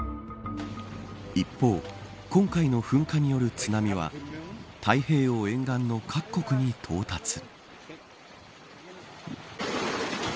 一方、今回の噴火による津波は太平洋沿岸の各国に到達。